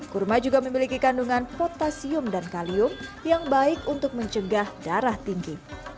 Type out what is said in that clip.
kurma juga memiliki kandungan potasium dan kalium yang baik untuk mencegah darah tinggi